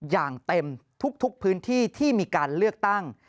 อย่างเต็มทุกพื้นที่ที่มีการเลือกตั้ง